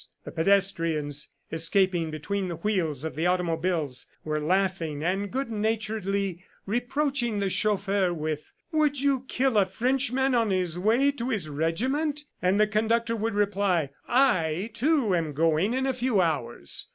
The pedestrians, escaping between the wheels of the automobiles were laughing and good naturedly reproaching the chauffeur with, "Would you kill a Frenchman on his way to his regiment?" and the conductor would reply, "I, too, am going in a few hours.